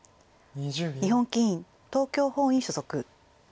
日本棋院東京本院所属。